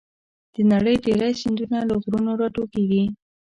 د نړۍ ډېری سیندونه له غرونو راټوکېږي.